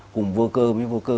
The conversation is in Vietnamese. cùng vô cơ với vô cơ